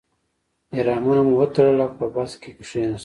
احرامونه مو وتړل او په بس کې کیناستو.